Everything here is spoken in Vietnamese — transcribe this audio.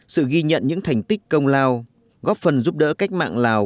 sự ghi nhận những thành tích công lao góp phần giúp đỡ cách mạng lào